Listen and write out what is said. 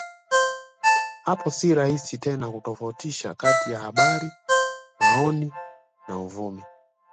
Hapo si rahisi tena kutofautisha kati ya habari maoni na uvumi